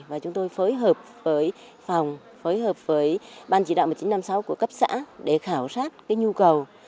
và chúng tôi phối hợp với phòng phối hợp với ban chỉ đạo một nghìn chín trăm năm mươi sáu của cấp xã để khảo sát nhu cầu